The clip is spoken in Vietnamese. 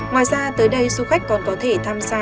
ngoài ra tới đây du khách còn có thể tham gia